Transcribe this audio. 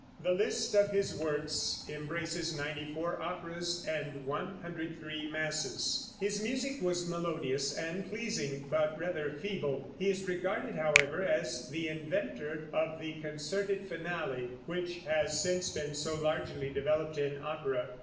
The list of his works embraces ninety four operas and 103 masses. His music was melodious and pleasing, but rather feeble; he is regarded, however, as the inventor of the concerted finale, which has since been so largely developed in opera.